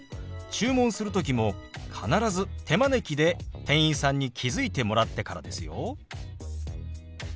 注文する時も必ず手招きで店員さんに気付いてもらってからですよ。